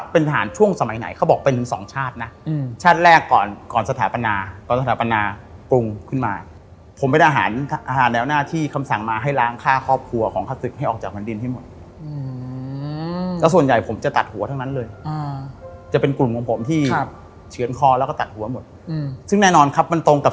เป็นทหารช่วงสมัยไหนเขาบอกเป็นถึงสองชาตินะชาติแรกก่อนก่อนสถาปนาตอนสถาปนาปรุงขึ้นมาผมเป็นอาหารอาหารแนวหน้าที่คำสั่งมาให้ล้างค่าครอบครัวของขศึกให้ออกจากแผ่นดินให้หมดแล้วส่วนใหญ่ผมจะตัดหัวทั้งนั้นเลยจะเป็นกลุ่มของผมที่เฉือนคอแล้วก็ตัดหัวหมดซึ่งแน่นอนครับมันตรงกับ